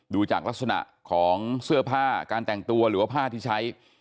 ดูจากลักษณะของเสื้อผ้าการแต่งตัวหรือว่าผ้าที่ใช้